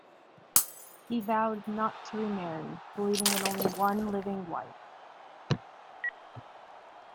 He vowed not to remarry, believing in only one living wife.